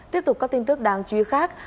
tiếp tục các tin tức đáng chú ý khác